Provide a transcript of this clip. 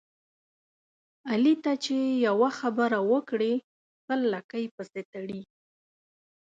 علي ته چې یوه خبره وکړې سل لکۍ پسې تړي.